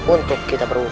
untuk kita berubah